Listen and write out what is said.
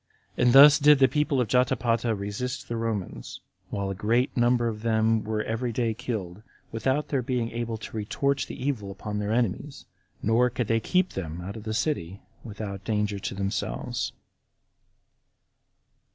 And thus did the people of Jotapata resist the Romans, while a great number of them were every day killed, without their being able to retort the evil upon their enemies; nor could they keep them out of the city without danger to themselves.